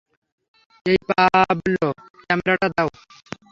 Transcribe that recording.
এই পাবলো, ক্যামেরাটা দাও।